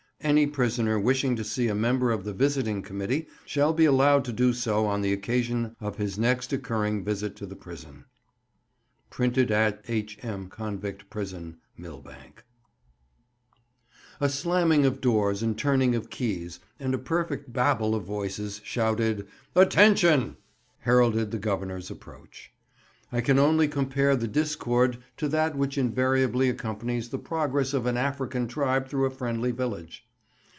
Any prisoner wishing to see a member of the Visiting Committee shall be allowed to do so on the occasion of his next occurring visit to the prison. Printed at H.M. Convict Prison, Millbank. A slamming of doors and turning of keys, and a perfect Babel of voices shouting "Attention!" heralded the Governor's approach. I can only compare the discord to that which invariably accompanies the progress of an African tribe through a friendly village.